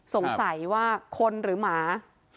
สงสัยว่าคนหรือหมา